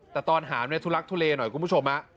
แต่ตอนหามเนี่ยทุลักทุเลหน่อยคุณผู้ชม